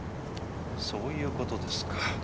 そういう事ですか。